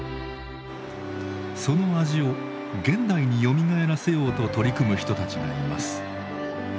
その味を現代によみがえらせようと取り組む人たちがいます。